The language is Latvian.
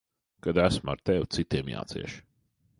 Kad esmu ar tevi, citiem jācieš.